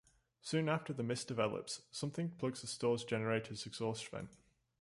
Soon after the mist develops, something plugs the store generator's exhaust vent.